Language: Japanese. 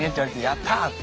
「やった！」って。